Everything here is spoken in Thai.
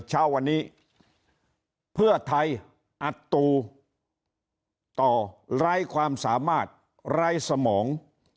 เช้าวันนี้เพื่อไทยอัดตูต่อไร้ความสามารถไร้สมอง